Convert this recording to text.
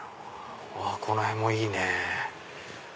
このへんもいいね。